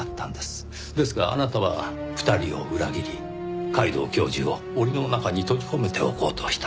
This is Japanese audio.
ですがあなたは２人を裏切り皆藤教授を檻の中に閉じ込めておこうとした。